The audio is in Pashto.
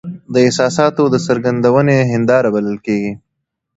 د احساساتو د څرګندوني هنداره بلل کیږي .